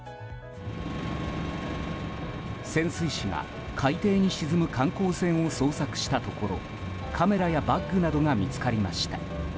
潜水士が海底に沈む観光船を捜索したところカメラやバッグなどが見つかりました。